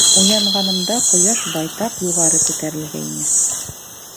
Уянғанымда ҡояш байтаҡ юғары күтәрелгәйне.